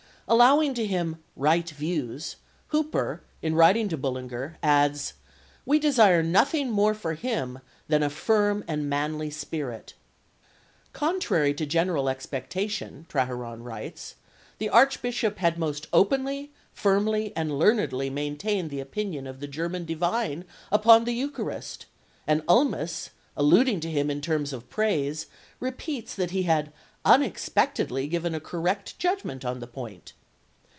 Allowing to him "right views," Hooper, in writing to Bullinger, adds: "we desire nothing more for him than a firm and manly spirit." "Contrary to general expectation," Traheron writes, the Archbishop had most openly, firmly, and learnedly maintained the opinion of the German divine upon the Eucharist; and Ulmis, alluding to him in terms of praise, repeats that he had unexpectedly given a correct judgment on this point.